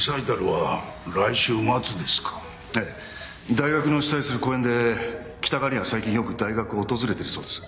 大学の主催する公演で北川凛は最近よく大学を訪れてるそうです。